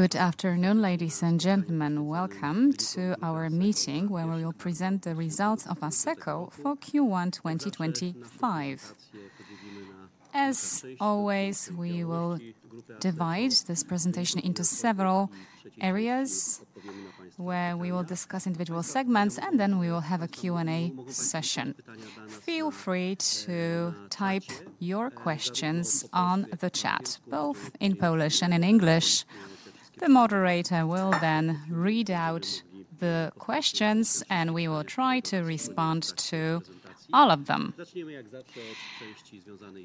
Good afternoon, ladies and gentlemen. Welcome to our meeting where we will present the results of Asseco for Q1 2025. As always, we will divide this presentation into several areas where we will discuss individual segments, and then we will have a Q&A session. Feel free to type your questions on the chat, both in Polish and in English. The moderator will then read out the questions, and we will try to respond to all of them.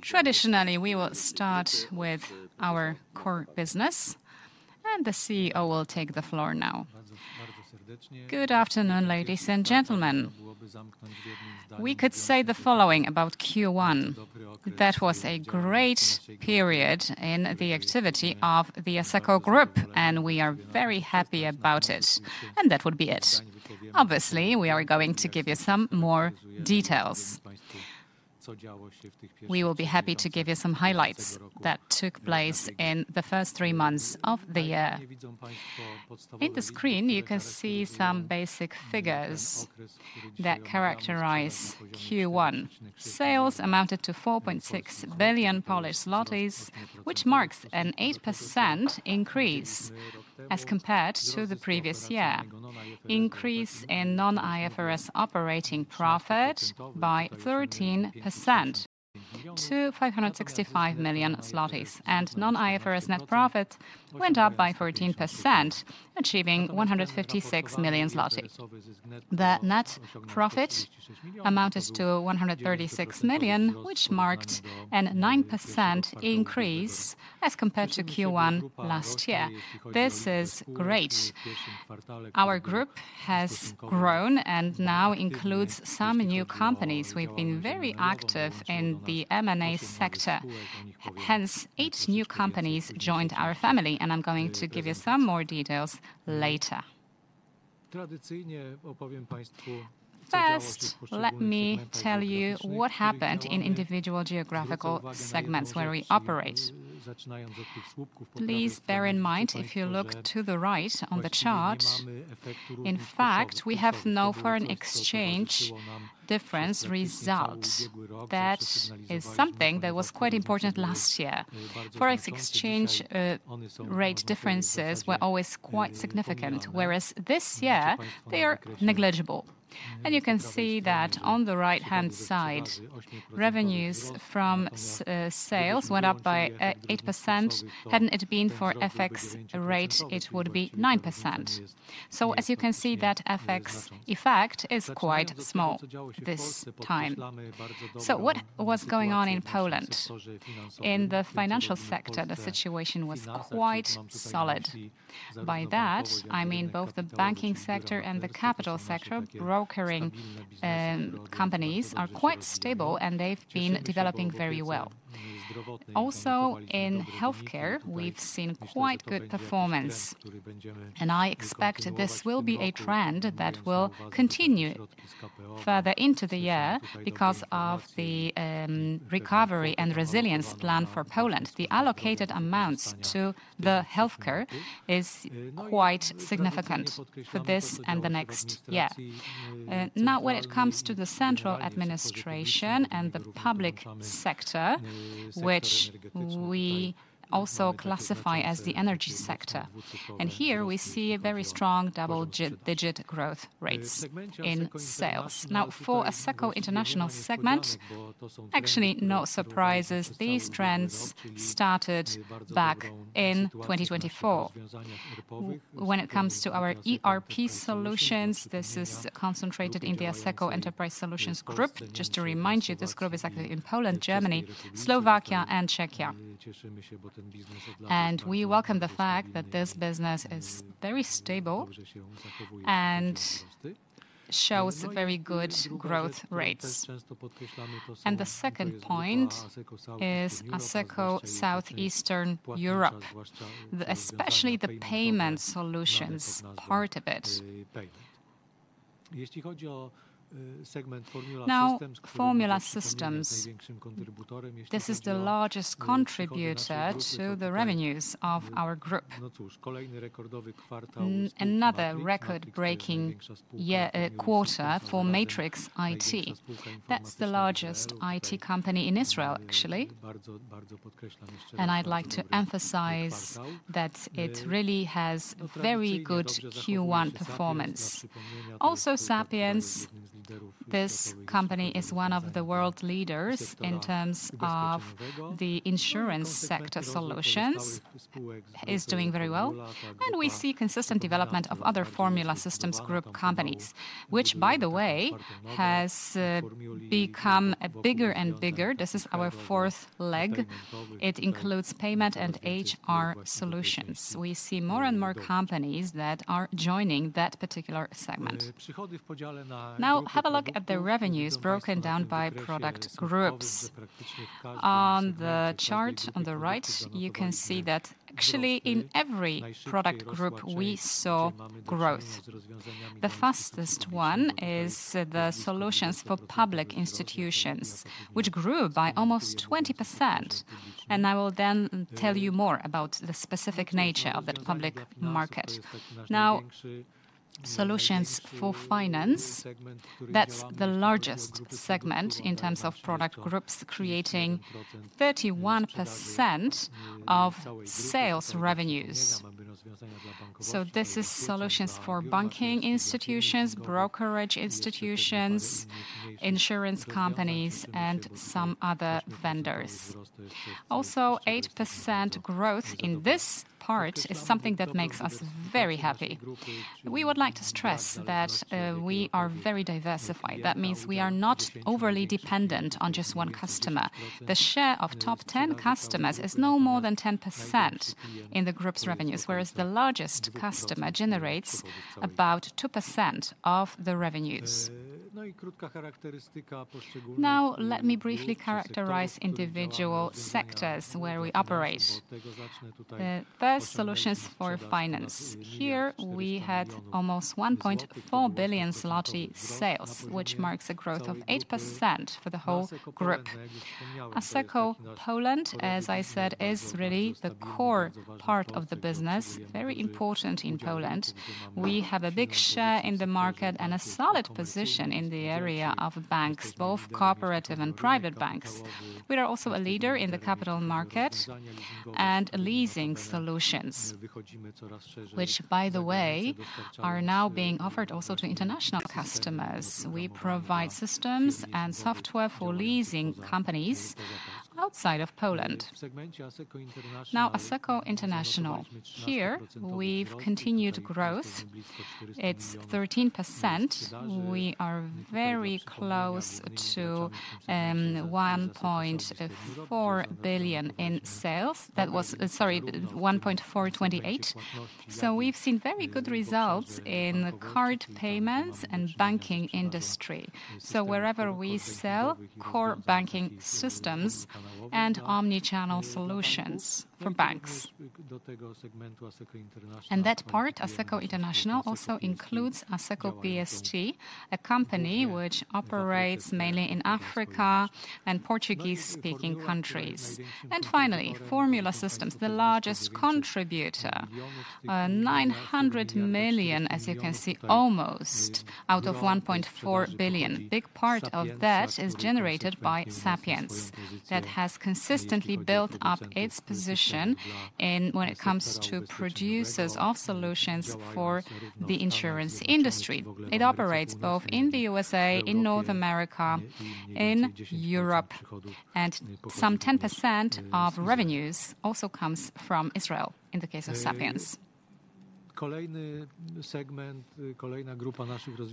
Traditionally, we will start with our core business, and the CEO will take the floor now. Good afternoon, ladies and gentlemen. We could say the following about Q1: that was a great period in the activity of the Asseco Group, and we are very happy about it. That would be it. Obviously, we are going to give you some more details. We will be happy to give you some highlights that took place in the first three months of the year. On the screen, you can see some basic figures that characterize Q1. Sales amounted to 4.6 billion Polish zlotys, which marks an 8% increase as compared to the previous year. Increase in non-IFRS operating profit by 13% to 565 million zlotys, and non-IFRS net profit went up by 14%, achieving 156 million zloty. The net profit amounted to 136 million, which marked a 9% increase as compared to Q1 last year. This is great. Our group has grown and now includes some new companies. We've been very active in the M&A sector. Hence, eight new companies joined our family, and I'm going to give you some more details later. First, let me tell you what happened in individual geographical segments where we operate. Please bear in mind, if you look to the right on the chart, in fact, we have no foreign exchange difference result. That is something that was quite important last year. Forex exchange rate differences were always quite significant, whereas this year they are negligible. You can see that on the right-hand side, revenues from sales went up by 8%. Hadn't it been for FX rate, it would be 9%. As you can see, that FX effect is quite small this time. What was going on in Poland? In the financial sector, the situation was quite solid. By that, I mean both the banking sector and the capital sector. Brokering companies are quite stable, and they've been developing very well. Also, in healthcare, we've seen quite good performance, and I expect this will be a trend that will continue further into the year because of the recovery and resilience plan for Poland. The allocated amounts to the healthcare is quite significant for this and the next year. Now, when it comes to the central administration and the public sector, which we also classify as the energy sector, here we see very strong double-digit growth rates in sales. Now, for Asseco International Segment, actually no surprises, these trends started back in 2024. When it comes to our ERP solutions, this is concentrated in the Asseco Enterprise Solutions Group. Just to remind you, this group is actually in Poland, Germany, Slovakia, and Czechia. We welcome the fact that this business is very stable and shows very good growth rates. The second point is Asseco Southeastern Europe, especially the payment solutions part of it. This is the largest contributor to the revenues of our group. Another record-breaking quarter for Matrix IT. That is the largest IT company in Israel, actually. I would like to emphasize that it really has very good Q1 performance. Also, Sapiens, this company is one of the world leaders in terms of the insurance sector solutions, is doing very well. We see consistent development of other Formula Systems Group companies, which, by the way, has become bigger and bigger. This is our fourth leg. It includes payment and HR solutions. We see more and more companies that are joining that particular segment. Now, have a look at the revenues broken down by product groups. On the chart on the right, you can see that actually in every product group we saw growth. The fastest one is the solutions for public institutions, which grew by almost 20%. I will then tell you more about the specific nature of that public market. Now, solutions for finance, that's the largest segment in terms of product groups, creating 31% of sales revenues. This is solutions for banking institutions, brokerage institutions, insurance companies, and some other vendors. Also, 8% growth in this part is something that makes us very happy. We would like to stress that we are very diversified. That means we are not overly dependent on just one customer. The share of top 10 customers is no more than 10% in the group's revenues, whereas the largest customer generates about 2% of the revenues. Now, let me briefly characterize individual sectors where we operate. The first solutions for finance. Here we had almost 1.4 billion zloty sales, which marks a growth of 8% for the whole group. Asseco Poland, as I said, is really the core part of the business, very important in Poland. We have a big share in the market and a solid position in the area of banks, both corporate and private banks. We are also a leader in the capital market and leasing solutions, which, by the way, are now being offered also to international customers. We provide systems and software for leasing companies outside of Poland. Now, Asseco International. Here we have continued growth. It is 13%. We are very close to 1.4 billion in sales. That was, sorry, 1.428 billion. We have seen very good results in card payments and banking industry. Wherever we sell core banking systems and omnichannel solutions for banks. That part, Asseco International, also includes Asseco BSG, a company which operates mainly in Africa and Portuguese-speaking countries. Finally, Formula Systems, the largest contributor, $900 million, as you can see, almost out of $1.4 billion. A big part of that is generated by Sapiens. That has consistently built up its position when it comes to producers of solutions for the insurance industry. It operates both in the USA, in North America, in Europe. Some 10% of revenues also comes from Israel in the case of Sapiens.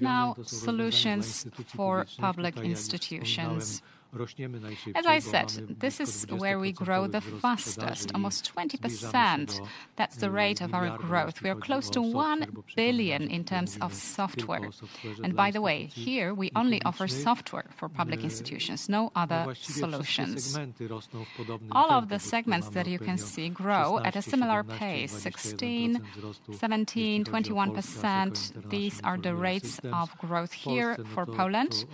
Now, solutions for public institutions. As I said, this is where we grow the fastest, almost 20%. That is the rate of our growth. We are close to $1 billion in terms of software. By the way, here we only offer software for public institutions, no other solutions. All of the segments that you can see grow at a similar pace, 16%, 17%, 21%. These are the rates of growth here for Poland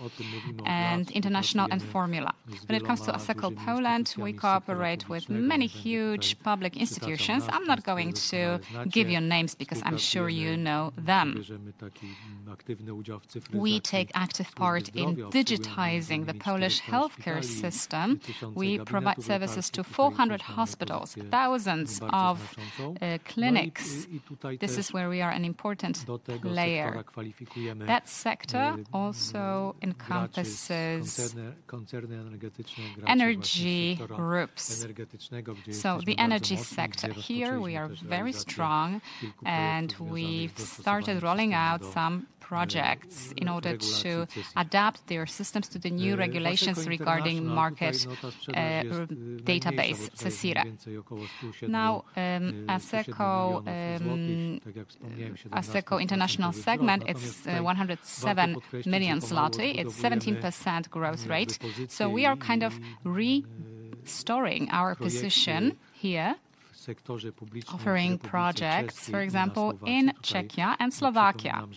and international and Formula. When it comes to Asseco Poland, we cooperate with many huge public institutions. I'm not going to give you names because I'm sure you know them. We take active part in digitizing the Polish healthcare system. We provide services to 400 hospitals, thousands of clinics. This is where we are an important layer. That sector also encompasses energy groups. The energy sector, here we are very strong, and we've started rolling out some projects in order to adapt their systems to the new regulations regarding market database, SASIRA. Now, Asseco International Segment, it's 107 million zloty. It's a 17% growth rate. We are kind of restoring our position here, offering projects, for example, in Czechia and Slovakia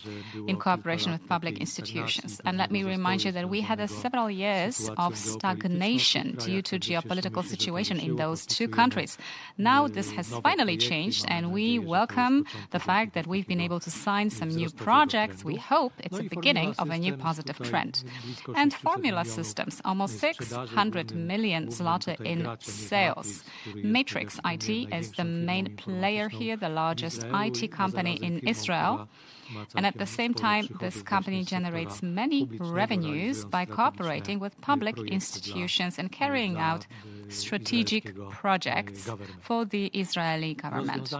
in cooperation with public institutions. Let me remind you that we had several years of stagnation due to the geopolitical situation in those two countries. Now this has finally changed, and we welcome the fact that we've been able to sign some new projects. We hope it's the beginning of a new positive trend. Formula Systems, almost 600 million zloty in sales. Matrix IT is the main player here, the largest IT company in Israel. At the same time, this company generates many revenues by cooperating with public institutions and carrying out strategic projects for the Israeli government.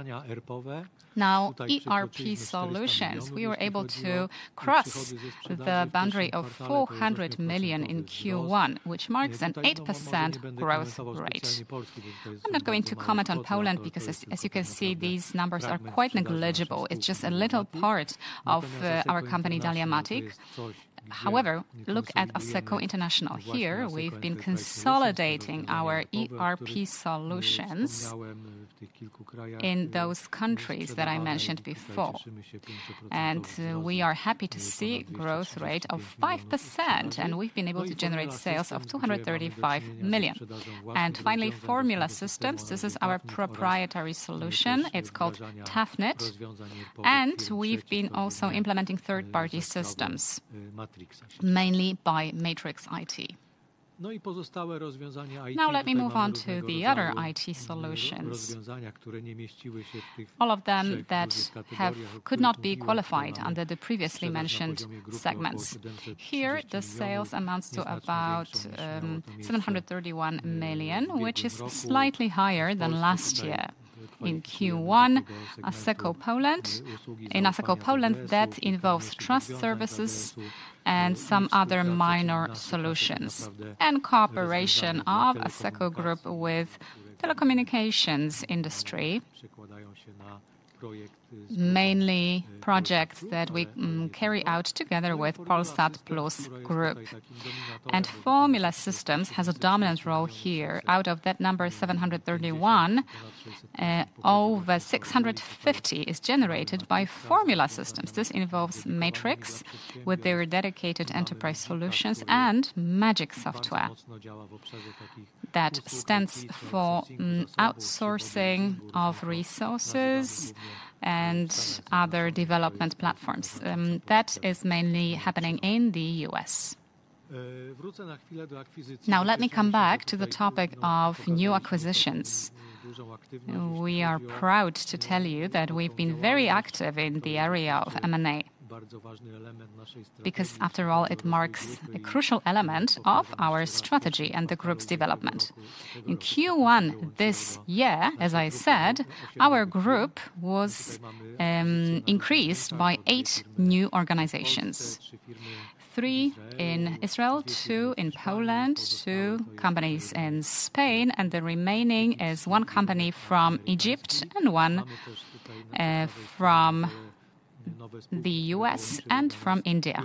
Now, ERP solutions, we were able to cross the boundary of 400 million in Q1, which marks an 8% growth rate. I'm not going to comment on Poland because, as you can see, these numbers are quite negligible. It's just a little part of our company, Daliamatic. However, look at Asseco International. Here we've been consolidating our ERP solutions in those countries that I mentioned before. We are happy to see a growth rate of 5%, and we've been able to generate sales of 235 million. Finally, Formula Systems, this is our proprietary solution. It's called Tafnet. We've been also implementing third-party systems, mainly by Matrix IT. Now, let me move on to the other IT solutions, all of them that could not be qualified under the previously mentioned segments. Here, the sales amount to about 731 million, which is slightly higher than last year. In Q1, Asseco Poland, in Asseco Poland, that involves trust services and some other minor solutions. Cooperation of Asseco Group with the telecommunications industry, mainly projects that we carry out together with Polsat Plus Group. Formula Systems has a dominant role here. Out of that number of 731, over 650 is generated by Formula Systems. This involves Matrix with their dedicated enterprise solutions and Magic Software, that stands for outsourcing of resources and other development platforms. That is mainly happening in the US. Now, let me come back to the topic of new acquisitions. We are proud to tell you that we've been very active in the area of M&A, because after all, it marks a crucial element of our strategy and the group's development. In Q1 this year, as I said, our group was increased by eight new organizations: three in Israel, two in Poland, two companies in Spain, and the remaining is one company from Egypt and one from the US and from India.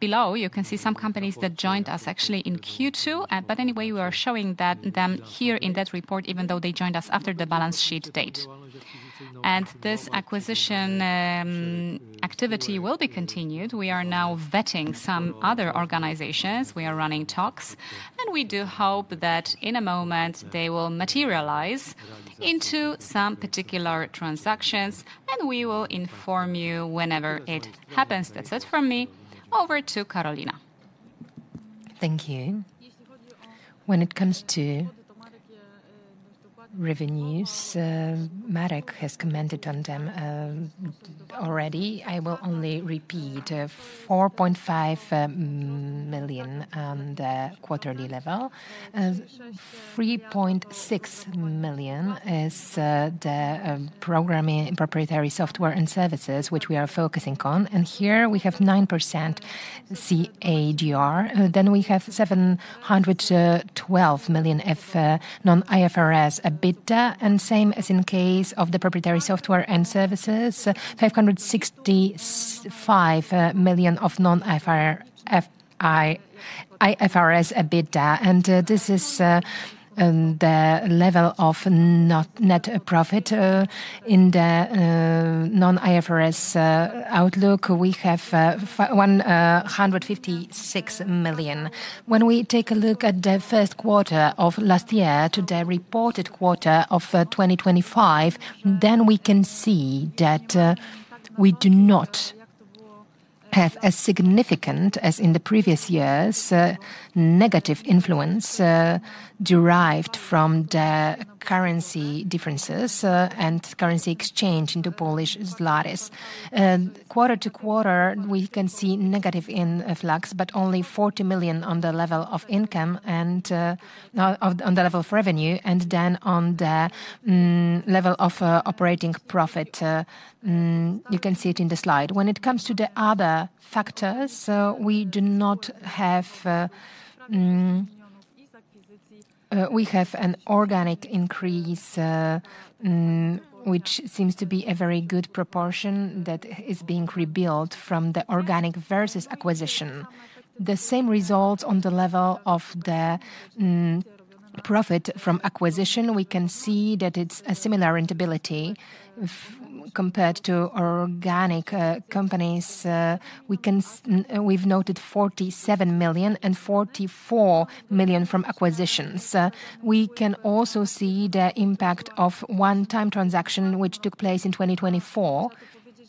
Below, you can see some companies that joined us actually in Q2, but anyway, we are showing them here in that report, even though they joined us after the balance sheet date. This acquisition activity will be continued. We are now vetting some other organizations. We are running talks, and we do hope that in a moment they will materialize into some particular transactions, and we will inform you whenever it happens. That's it from me. Over to Karolina. Thank you. When it comes to revenues, Marek has commented on them already. I will only repeat: 4.5 million on the quarterly level. 3.6 million is the programming and proprietary software and services, which we are focusing on. Here we have 9% CAGR. We have 712 million of non-IFRS EBITDA, and same as in case of the proprietary software and services, 565 million of non-IFRS EBITDA. This is the level of net profit in the non-IFRS outlook. We have 156 million. When we take a look at the first quarter of last year to the reported quarter of 2025, we can see that we do not have as significant as in the previous years negative influence derived from the currency differences and currency exchange into Polish złoty. Quarter to quarter, we can see negative influx, but only 40 million on the level of income and on the level of revenue, and then on the level of operating profit. You can see it in the slide. When it comes to the other factors, we do not have an organic increase, which seems to be a very good proportion that is being rebuilt from the organic versus acquisition. The same results on the level of the profit from acquisition. We can see that it's a similar rentability compared to organic companies. We've noted 47 million and 44 million from acquisitions. We can also see the impact of one-time transaction, which took place in 2024.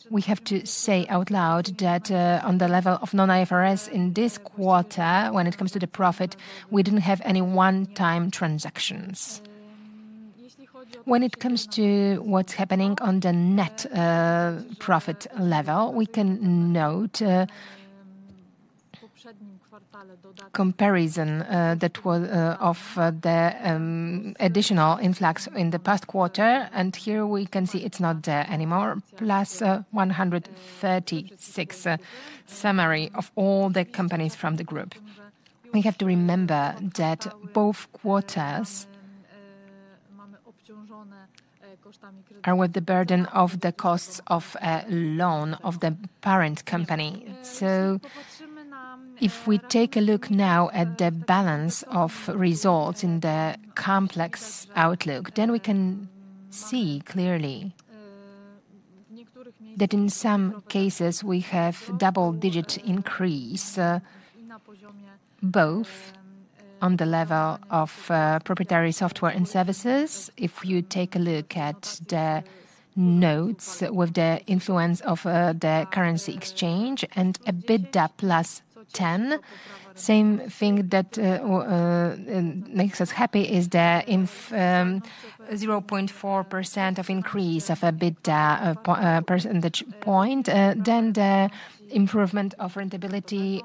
We have to say out loud that on the level of non-IFRS in this quarter, when it comes to the profit, we didn't have any one-time transactions. When it comes to what's happening on the net profit level, we can note comparison that was of the additional influx in the past quarter, and here we can see it's not there anymore. Plus 136 million summary of all the companies from the group. We have to remember that both quarters are with the burden of the costs of a loan of the parent company. If we take a look now at the balance of results in the complex outlook, then we can see clearly that in some cases we have double-digit increase both on the level of proprietary software and services. If you take a look at the notes with the influence of the currency exchange and EBITDA plus 10, same thing that makes us happy is the 0.4% of increase of EBITDA percentage point, then the improvement of rentability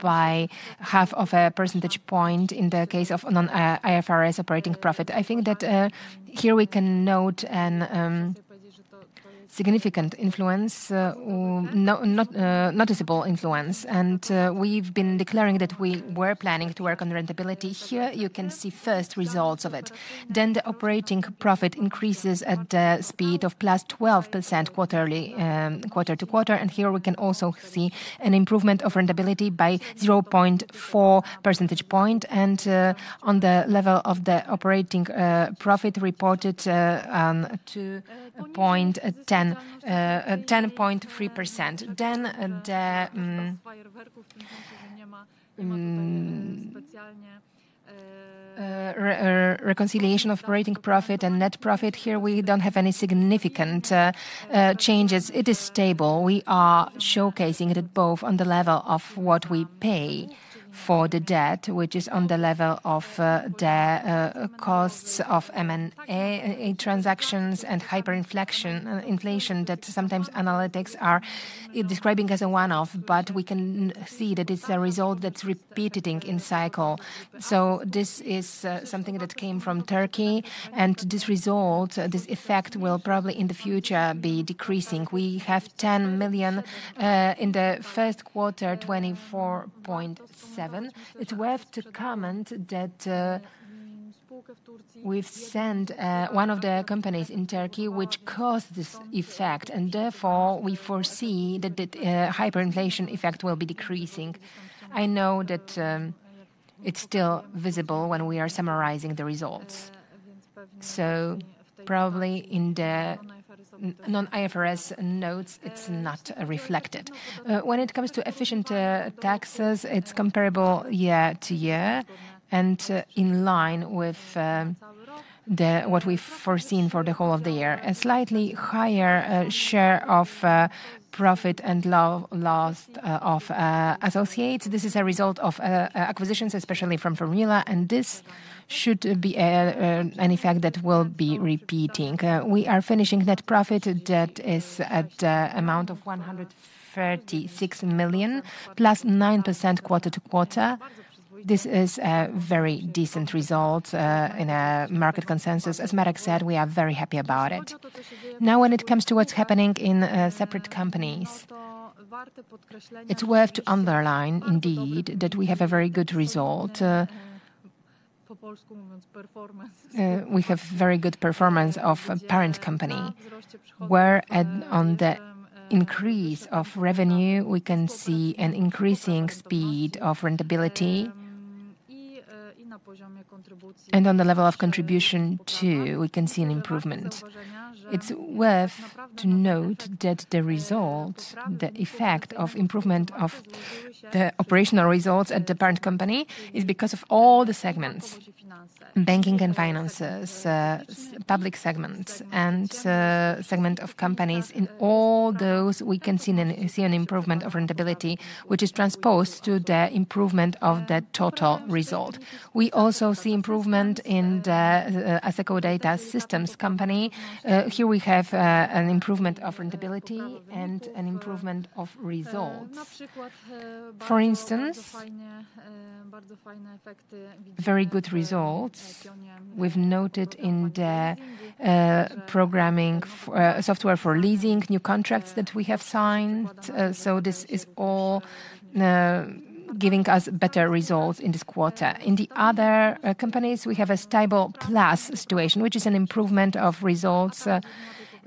by half of a percentage point in the case of non-IFRS operating profit. I think that here we can note a significant influence, noticeable influence, and we've been declaring that we were planning to work on rentability. Here you can see first results of it. The operating profit increases at the speed of plus 12% quarter to quarter, and here we can also see an improvement of rentability by 0.4 percentage point and on the level of the operating profit reported to 0.3%. The reconciliation of operating profit and net profit, here we do not have any significant changes. It is stable. We are showcasing it both on the level of what we pay for the debt, which is on the level of the costs of M&A transactions and hyperinflation that sometimes analytics are describing as a one-off, but we can see that it is a result that is repeating in cycle. This is something that came from Turkey, and this result, this effect will probably in the future be decreasing. We have 10 million in the first quarter, 24.7 million. It's worth to comment that we've sent one of the companies in Turkey which caused this effect, and therefore we foresee that the hyperinflation effect will be decreasing. I know that it's still visible when we are summarizing the results. Probably in the non-IFRS notes, it's not reflected. When it comes to efficient taxes, it's comparable year to year and in line with what we've foreseen for the whole of the year. A slightly higher share of profit and loss of associates. This is a result of acquisitions, especially from Formula, and this should be an effect that will be repeating. We are finishing net profit that is at the amount of 136 million, plus 9% quarter to quarter. This is a very decent result in a market consensus. As Marek said, we are very happy about it. Now, when it comes to what's happening in separate companies, it's worth to underline indeed that we have a very good result. We have very good performance of parent company. Where on the increase of revenue, we can see an increasing speed of rentability, and on the level of contribution too, we can see an improvement. It's worth to note that the result, the effect of improvement of the operational results at the parent company is because of all the segments: banking and finances, public segments, and segment of companies. In all those, we can see an improvement of rentability, which is transposed to the improvement of the total result. We also see improvement in the Asseco Data Systems company. Here we have an improvement of rentability and an improvement of results. For instance, very good results. We've noted in the programming software for leasing, new contracts that we have signed. This is all giving us better results in this quarter. In the other companies, we have a stable plus situation, which is an improvement of results.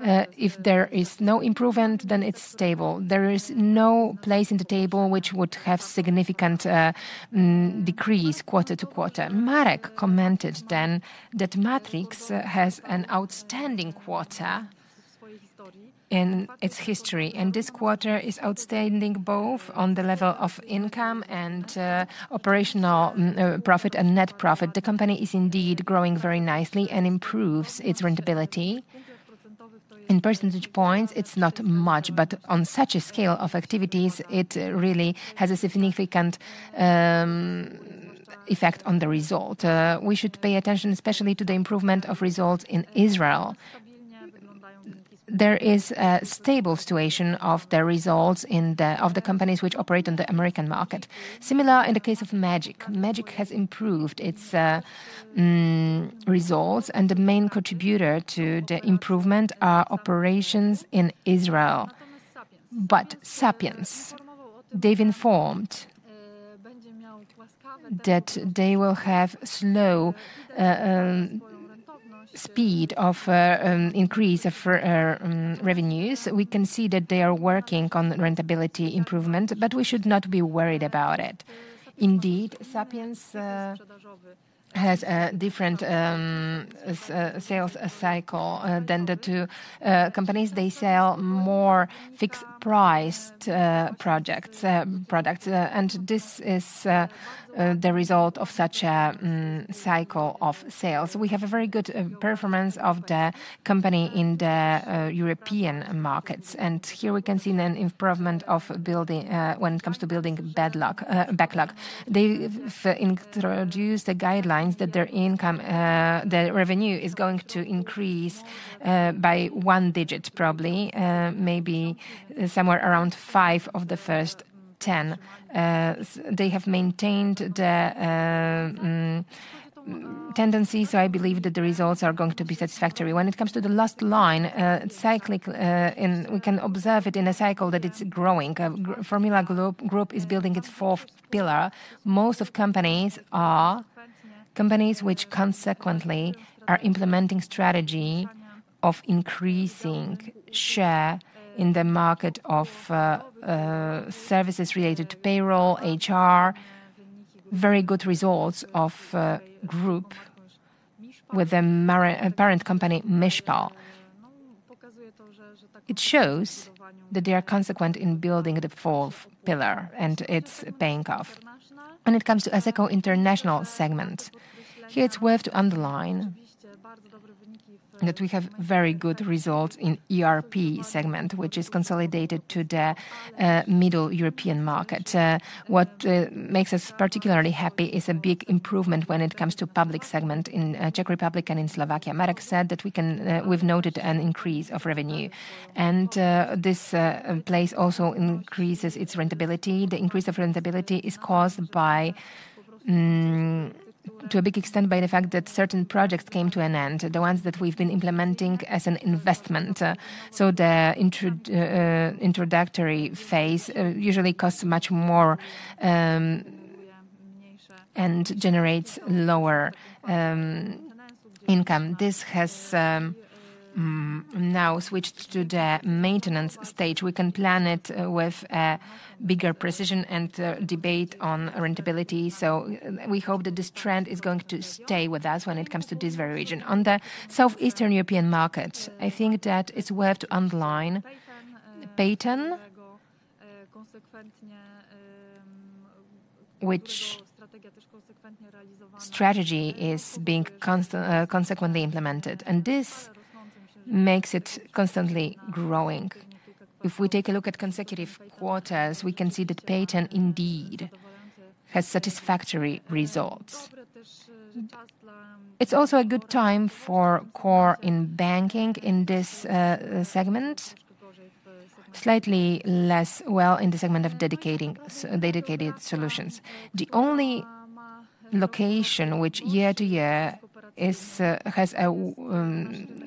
If there is no improvement, then it's stable. There is no place in the table which would have significant decrease quarter to quarter. Marek commented then that Matrix has an outstanding quarter in its history, and this quarter is outstanding both on the level of income and operational profit and net profit. The company is indeed growing very nicely and improves its rentability. In percentage points, it's not much, but on such a scale of activities, it really has a significant effect on the result. We should pay attention especially to the improvement of results in Israel. There is a stable situation of the results of the companies which operate on the American market. Similar in the case of Magic. Magic has improved its results, and the main contributor to the improvement are operations in Israel. Sapiens, they've informed that they will have slow speed of increase of revenues. We can see that they are working on rentability improvement, but we should not be worried about it. Indeed, Sapiens has a different sales cycle than the two companies. They sell more fixed-priced products, and this is the result of such a cycle of sales. We have a very good performance of the company in the European markets, and here we can see an improvement when it comes to building backlog. They've introduced the guidelines that their income, their revenue is going to increase by one digit probably, maybe somewhere around five of the first ten. They have maintained the tendency, so I believe that the results are going to be satisfactory. When it comes to the last line, cyclic, we can observe it in a cycle that it's growing. Formula Group is building its fourth pillar. Most of companies are companies which consequently are implementing strategy of increasing share in the market of services related to payroll, HR. Very good results of group with the parent company Mishpal. It shows that they are consequent in building the fourth pillar and it's paying cost. When it comes to Asseco International segment, here it's worth to underline that we have very good results in ERP segment, which is consolidated to the middle European market. What makes us particularly happy is a big improvement when it comes to public segment in Czechia and in Slovakia. Marek said that we've noted an increase of revenue, and this place also increases its rentability. The increase of rentability is caused by, to a big extent, by the fact that certain projects came to an end, the ones that we've been implementing as an investment. The introductory phase usually costs much more and generates lower income. This has now switched to the maintenance stage. We can plan it with a bigger precision and debate on rentability. We hope that this trend is going to stay with us when it comes to this very region. On the Southeastern European markets, I think that it's worth to underline the pattern, which strategy is being consequently implemented, and this makes it constantly growing. If we take a look at consecutive quarters, we can see that pattern indeed has satisfactory results. It's also a good time for core in banking in this segment, slightly less well in the segment of dedicated solutions. The only location which year to year has a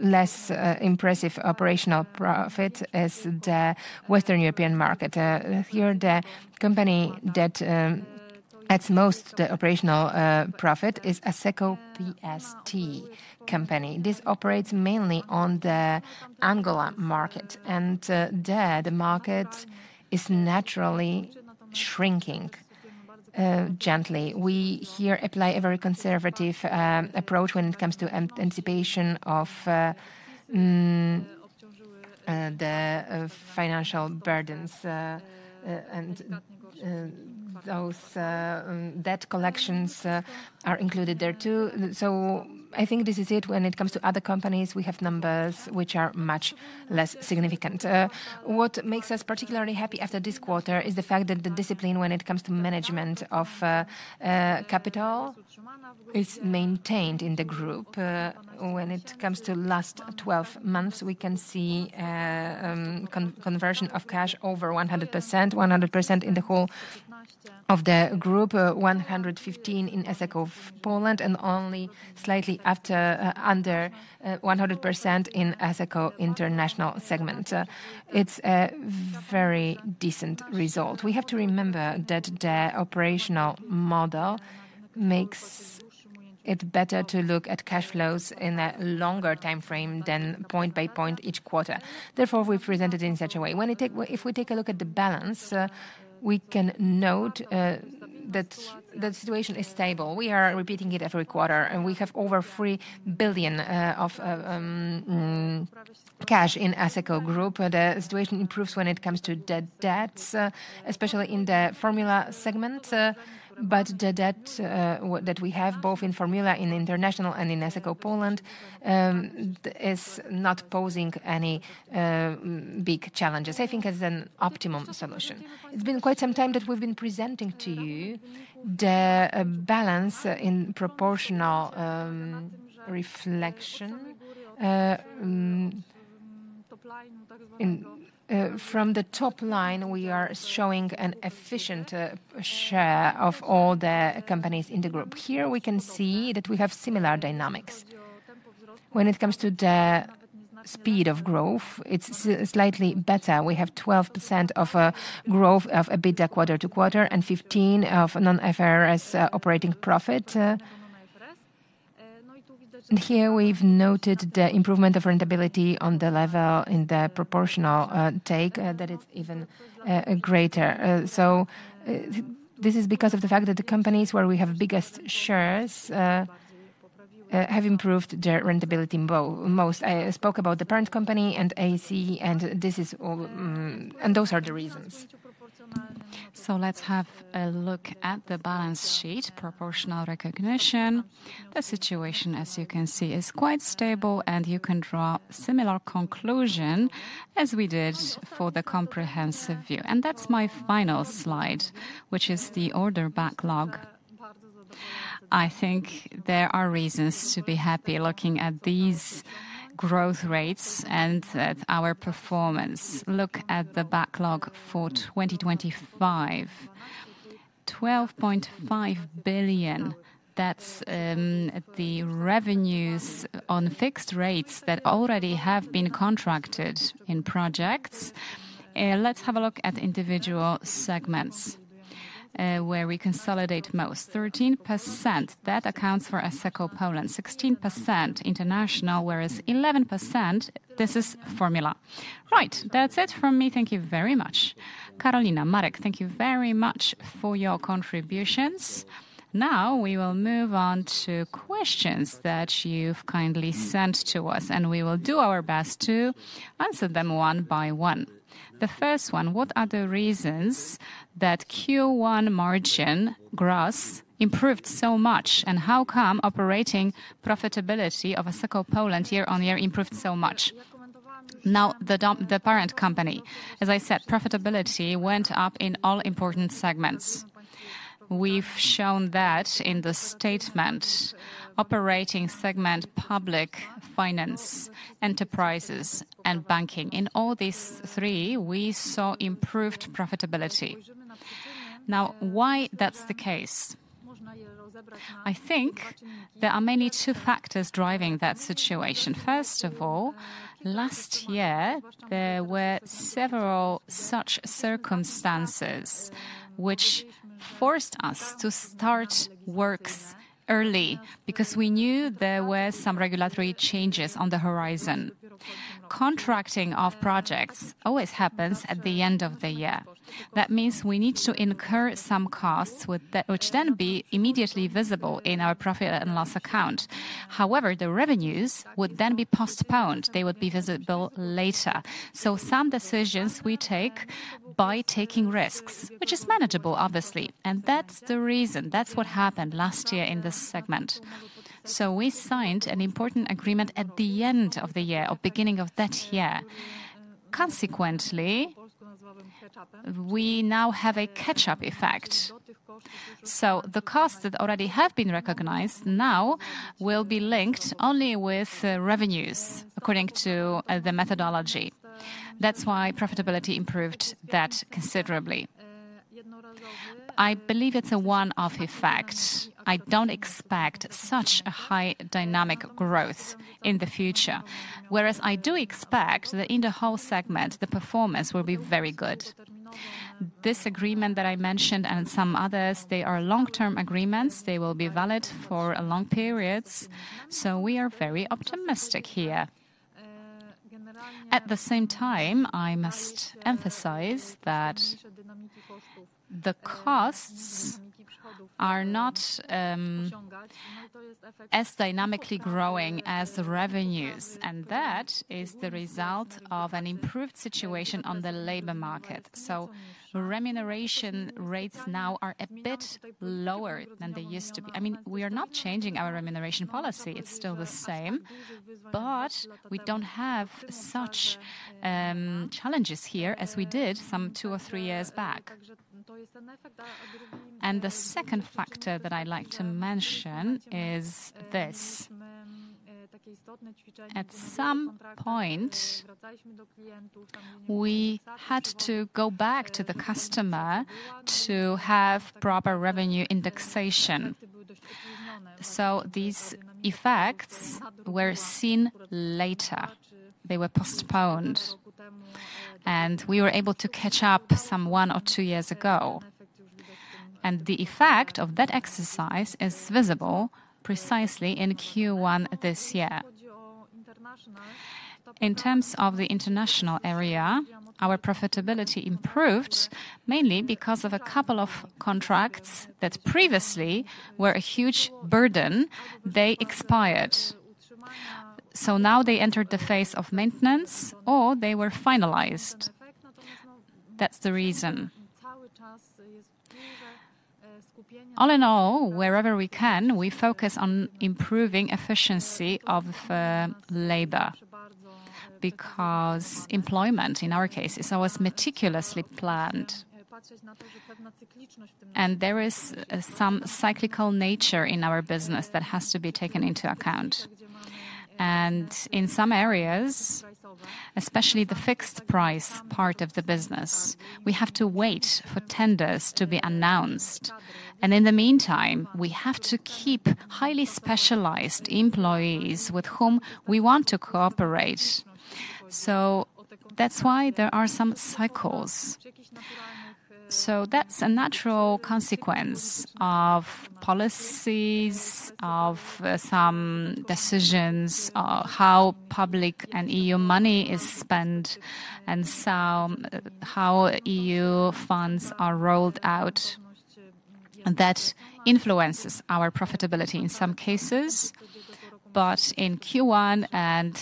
less impressive operational profit is the Western European market. Here, the company that adds most of the operational profit is Asseco PST. This operates mainly on the Angola market, and there the market is naturally shrinking gently. We here apply a very conservative approach when it comes to anticipation of the financial burdens, and those debt collections are included there too. I think this is it. When it comes to other companies, we have numbers which are much less significant. What makes us particularly happy after this quarter is the fact that the discipline when it comes to management of capital is maintained in the group. When it comes to last 12 months, we can see conversion of cash over 100%, 100% in the whole of the group, 115% in Asseco Poland, and only slightly under 100% in Asseco International segment. It's a very decent result. We have to remember that the operational model makes it better to look at cash flows in a longer time frame than point by point each quarter. Therefore, we present it in such a way. If we take a look at the balance, we can note that the situation is stable. We are repeating it every quarter, and we have over 3 billion of cash in Asseco Group. The situation improves when it comes to the debts, especially in the Formula segment, but the debt that we have both in Formula International and in Asseco Poland is not posing any big challenges. I think it's an optimum solution. It's been quite some time that we've been presenting to you the balance in proportional reflection. From the top line, we are showing an efficient share of all the companies in the group. Here we can see that we have similar dynamics. When it comes to the speed of growth, it's slightly better. We have 12% of growth of EBITDA quarter to quarter and 15% of non-IFRS operating profit. Here we've noted the improvement of rentability on the level in the proportional take that it's even greater. This is because of the fact that the companies where we have biggest shares have improved their rentability most. I spoke about the parent company and Asseco, and those are the reasons. Let's have a look at the balance sheet, proportional recognition. The situation, as you can see, is quite stable, and you can draw a similar conclusion as we did for the comprehensive view. That is my final slide, which is the order backlog. I think there are reasons to be happy looking at these growth rates and at our performance. Look at the backlog for 2025: PLN 12.5 billion. That is the revenues on fixed rates that already have been contracted in projects. Let's have a look at individual segments where we consolidate most: 13%. That accounts for Asseco Poland, 16% international, whereas 11%, this is Formula. Right, that is it from me. Thank you very much. Karolina, Marek, thank you very much for your contributions. Now we will move on to questions that you have kindly sent to us, and we will do our best to answer them one by one. The first one: What are the reasons that Q1 margin gross improved so much, and how come operating profitability of Asseco Poland year on year improved so much? Now, the parent company, as I said, profitability went up in all important segments. We have shown that in the statement, operating segment, public finance, enterprises, and banking. In all these three, we saw improved profitability. Now, why is that the case? I think there are many factors driving that situation. First of all, last year there were several such circumstances which forced us to start works early because we knew there were some regulatory changes on the horizon. Contracting of projects always happens at the end of the year. That means we need to incur some costs which then are immediately visible in our profit and loss account. However, the revenues would then be postponed. They would be visible later. Some decisions we take by taking risks, which is manageable, obviously. That is the reason. That is what happened last year in this segment. We signed an important agreement at the end of the year or beginning of that year. Consequently, we now have a catch-up effect. The costs that already have been recognized now will be linked only with revenues according to the methodology. That is why profitability improved that considerably. I believe it is a one-off effect. I do not expect such a high dynamic growth in the future, whereas I do expect that in the whole segment, the performance will be very good. This agreement that I mentioned and some others, they are long-term agreements. They will be valid for long periods. We are very optimistic here. At the same time, I must emphasize that the costs are not as dynamically growing as revenues, and that is the result of an improved situation on the labor market. So remuneration rates now are a bit lower than they used to be. I mean, we are not changing our remuneration policy. It's still the same, but we do not have such challenges here as we did some two or three years back. The second factor that I'd like to mention is this: at some point, we had to go back to the customer to have proper revenue indexation. These effects were seen later. They were postponed, and we were able to catch up some one or two years ago. The effect of that exercise is visible precisely in Q1 this year. In terms of the international area, our profitability improved mainly because of a couple of contracts that previously were a huge burden. They expired. Now they entered the phase of maintenance or they were finalized. That's the reason. All in all, wherever we can, we focus on improving efficiency of labor because employment in our case is always meticulously planned, and there is some cyclical nature in our business that has to be taken into account. In some areas, especially the fixed price part of the business, we have to wait for tenders to be announced. In the meantime, we have to keep highly specialized employees with whom we want to cooperate. That is why there are some cycles. That is a natural consequence of policies, of some decisions, how public and EU money is spent, and how EU funds are rolled out. That influences our profitability in some cases. In Q1 and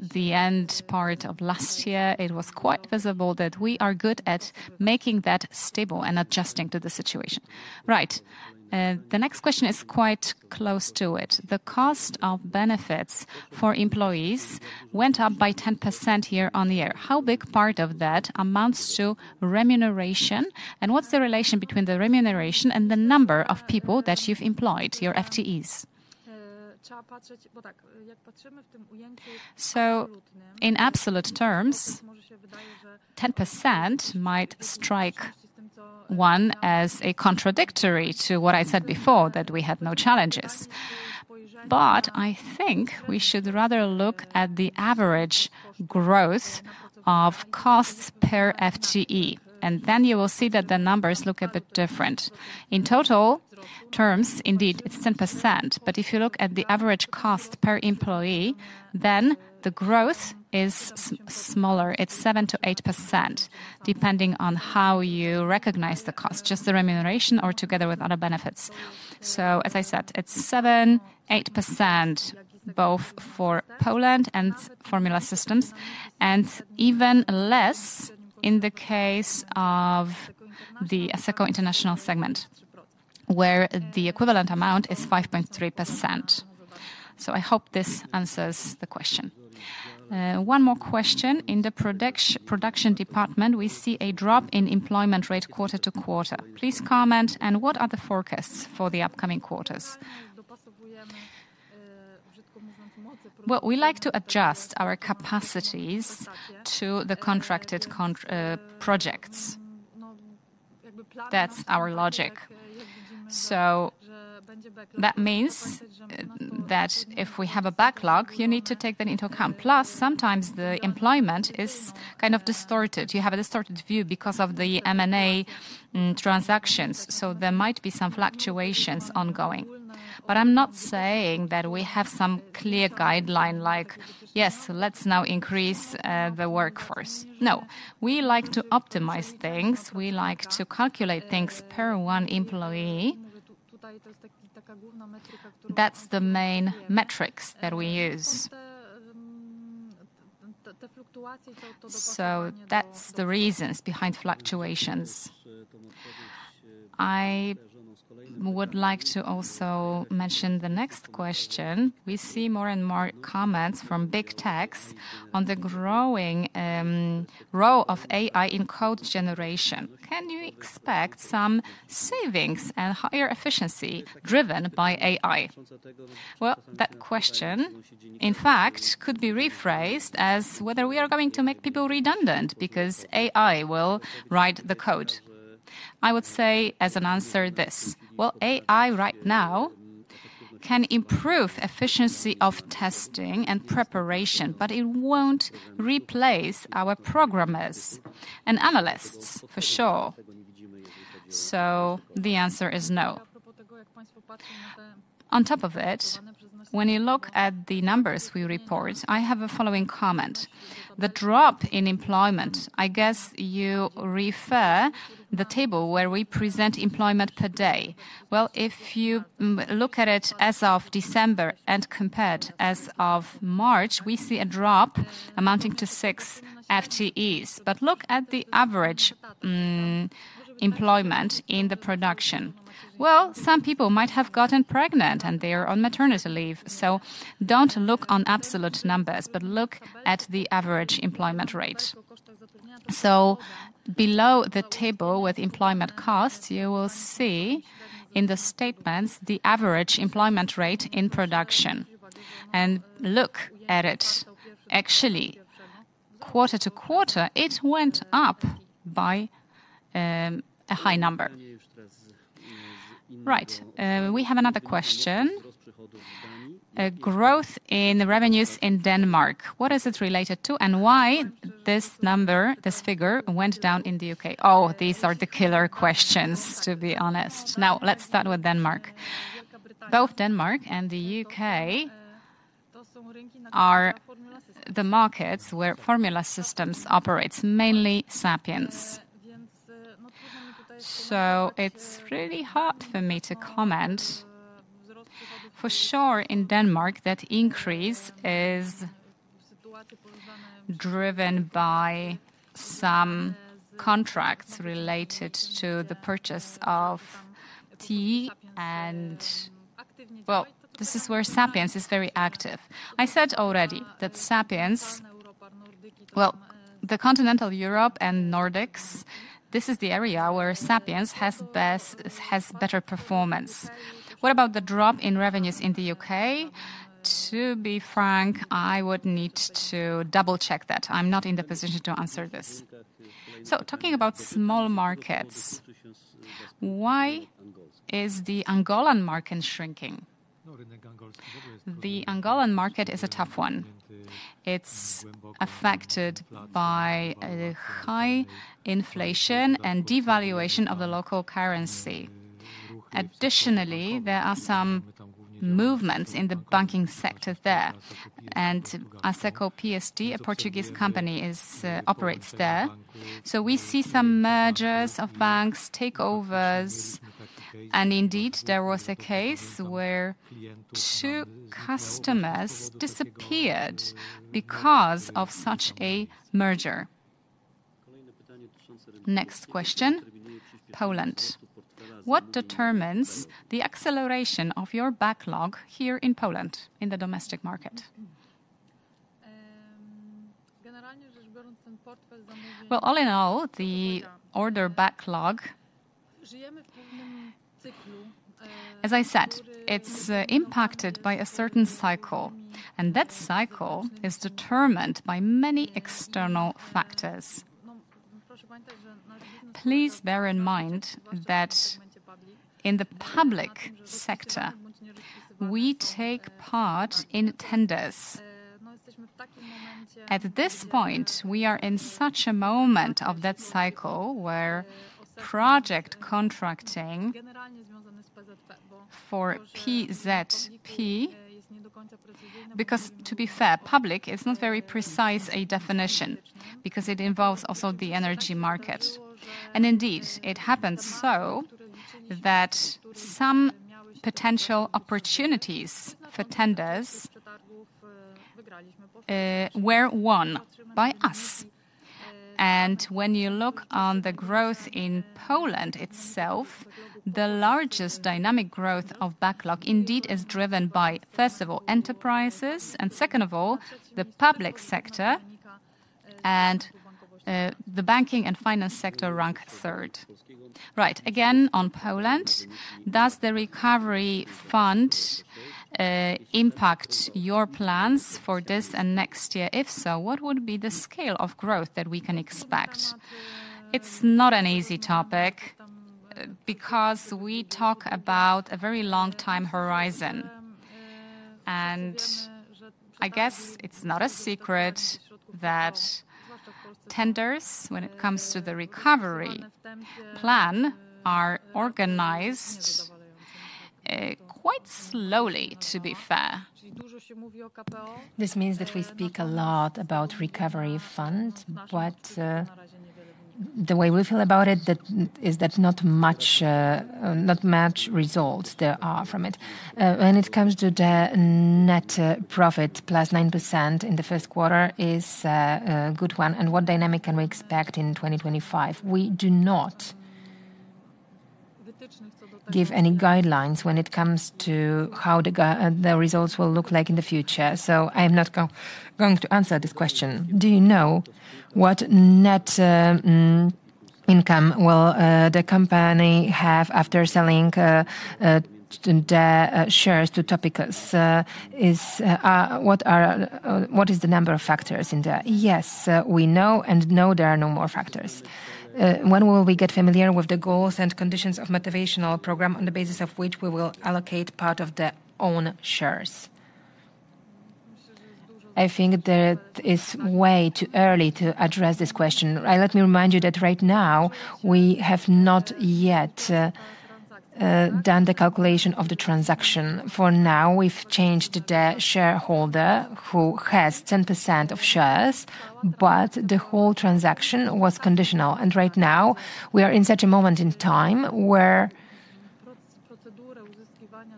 the end part of last year, it was quite visible that we are good at making that stable and adjusting to the situation. Right. The next question is quite close to it. The cost of benefits for employees went up by 10% year on year. How big part of that amounts to remuneration? And what's the relation between the remuneration and the number of people that you've employed, your FTEs? In absolute terms, 10% might strike one as contradictory to what I said before, that we had no challenges. I think we should rather look at the average growth of costs per FTE, and then you will see that the numbers look a bit different. In total terms, indeed, it's 10%. If you look at the average cost per employee, then the growth is smaller. It's 7-8%, depending on how you recognize the cost, just the remuneration or together with other benefits. As I said, it's 7-8% both for Poland and Formula Systems, and even less in the case of the Asseco International segment, where the equivalent amount is 5.3%. I hope this answers the question. One more question. In the production department, we see a drop in employment rate quarter to quarter. Please comment, and what are the forecasts for the upcoming quarters? We like to adjust our capacities to the contracted projects. That's our logic. That means that if we have a backlog, you need to take that into account. Plus, sometimes the employment is kind of distorted. You have a distorted view because of the M&A transactions. There might be some fluctuations ongoing. I'm not saying that we have some clear guideline like, yes, let's now increase the workforce. No, we like to optimize things. We like to calculate things per one employee. That's the main metrics that we use. That's the reasons behind fluctuations. I would like to also mention the next question. We see more and more comments from big techs on the growing role of AI in code generation. Can you expect some savings and higher efficiency driven by AI? That question, in fact, could be rephrased as whether we are going to make people redundant because AI will write the code. I would say as an answer this: AI right now can improve efficiency of testing and preparation, but it won't replace our programmers and analysts, for sure. The answer is no. On top of it, when you look at the numbers we report, I have a following comment. The drop in employment, I guess you refer to the table where we present employment per day. If you look at it as of December and compared as of March, we see a drop amounting to six FTEs. Look at the average employment in the production. Some people might have gotten pregnant, and they are on maternity leave. Do not look on absolute numbers, but look at the average employment rate. Below the table with employment costs, you will see in the statements the average employment rate in production. Look at it. Actually, quarter to quarter, it went up by a high number. Right. We have another question. Growth in revenues in Denmark. What is it related to and why this number, this figure, went down in the U.K.? Oh, these are the killer questions, to be honest. Now, let's start with Denmark. Both Denmark and the U.K. are the markets where Formula Systems operates, mainly Sapiens. So it's really hard for me to comment. For sure, in Denmark, that increase is driven by some contracts related to the purchase of tea. This is where Sapiens is very active. I said already that Sapiens, well, the continental Europe and Nordics, this is the area where Sapiens has better performance. What about the drop in revenues in the U.K.? To be frank, I would need to double-check that. I'm not in the position to answer this. Talking about small markets, why is the Angolan market shrinking? The Angolan market is a tough one. It's affected by high inflation and devaluation of the local currency. Additionally, there are some movements in the banking sector there. Asseco PST, a Portuguese company, operates there. We see some mergers of banks, takeovers. Indeed, there was a case where two customers disappeared because of such a merger. Next question, Poland. What determines the acceleration of your backlog here in Poland in the domestic market? All in all, the order backlog, as I said, it's impacted by a certain cycle. That cycle is determined by many external factors. Please bear in mind that in the public sector, we take part in tenders. At this point, we are in such a moment of that cycle where project contracting for PZP is, to be fair, public, it's not very precise a definition because it involves also the energy market. Indeed, it happens so that some potential opportunities for tenders were won by us. When you look on the growth in Poland itself, the largest dynamic growth of backlog indeed is driven by, first of all, enterprises, and second of all, the public sector, and the banking and finance sector rank third. Right. Again, on Poland, does the recovery fund impact your plans for this and next year? If so, what would be the scale of growth that we can expect? It's not an easy topic because we talk about a very long time horizon. I guess it's not a secret that tenders, when it comes to the recovery plan, are organized quite slowly, to be fair. This means that we speak a lot about recovery fund, but the way we feel about it is that not much results there are from it. When it comes to the net profit plus 9% in the first quarter, it's a good one. What dynamic can we expect in 2025? We do not give any guidelines when it comes to how the results will look like in the future. I'm not going to answer this question. Do you know what net income will the company have after selling the shares to Topicus? What is the number of factors in there? Yes, we know, and no, there are no more factors. When will we get familiar with the goals and conditions of the motivational program on the basis of which we will allocate part of the own shares? I think that it's way too early to address this question. Let me remind you that right now, we have not yet done the calculation of the transaction. For now, we've changed the shareholder who has 10% of shares, but the whole transaction was conditional. Right now, we are in such a moment in time where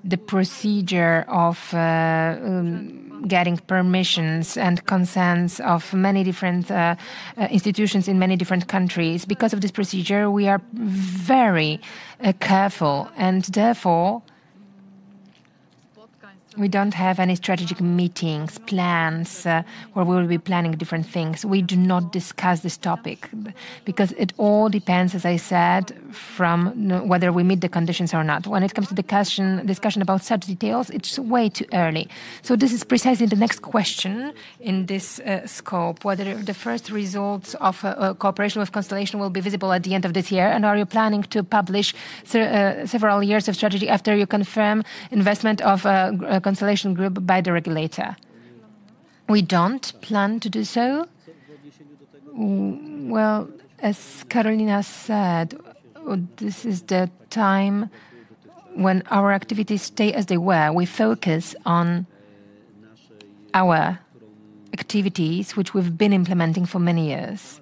the procedure of getting permissions and consents of many different institutions in many different countries. Because of this procedure, we are very careful, and therefore, we do not have any strategic meetings, plans, where we will be planning different things. We do not discuss this topic because it all depends, as I said, on whether we meet the conditions or not. When it comes to the discussion about such details, it's way too early. This is precisely the next question in this scope. Whether the first results of cooperation with Constellation will be visible at the end of this year, and are you planning to publish several years of strategy after you confirm investment of Constellation Group by the regulator? We do not plan to do so. As Karolina said, this is the time when our activities stay as they were. We focus on our activities, which we have been implementing for many years.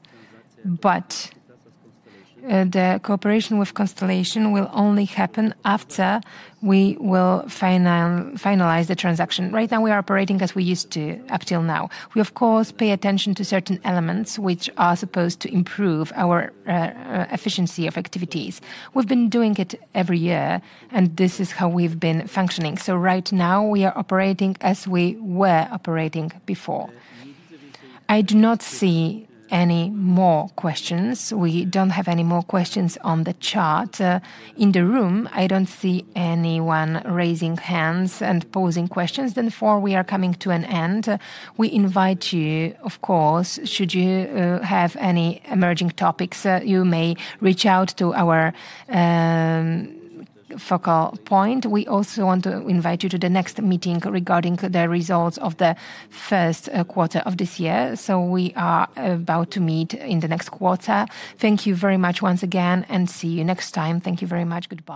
The cooperation with Constellation will only happen after we finalize the transaction. Right now, we are operating as we used to up till now. We, of course, pay attention to certain elements which are supposed to improve our efficiency of activities. We have been doing it every year, and this is how we have been functioning. Right now, we are operating as we were operating before. I do not see any more questions. We do not have any more questions on the chart. In the room, I do not see anyone raising hands and posing questions. Therefore, we are coming to an end. We invite you, of course, should you have any emerging topics, you may reach out to our focal point. We also want to invite you to the next meeting regarding the results of the first quarter of this year. We are about to meet in the next quarter. Thank you very much once again, and see you next time. Thank you very much. Goodbye.